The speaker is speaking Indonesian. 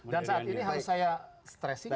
dan saat ini harus saya stresin